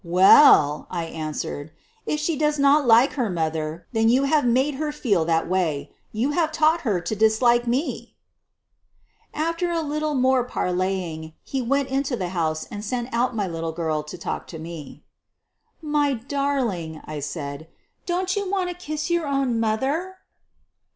'' "Well," I answered, "if she does not like her mother then you have made her feel that way ; you have taught her to dislike me." 24 SOPHIE LYONS After a little more parleying he went int# the house and sent out my little girl to talk to me. "My darling/ ' I said, " don't you want to kiss your own mother?"